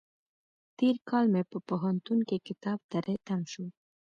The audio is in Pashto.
تېر کال مې په پوهنتون کې کتاب تری تم شو.